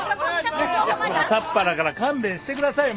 朝っぱらから勘弁してくださいよ。